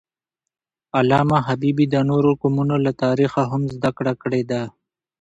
علامه حبیبي د نورو قومونو له تاریخه هم زدهکړه کړې ده.